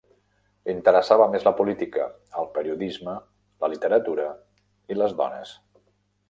L'interessava més la política, el periodisme, la literatura i les dones.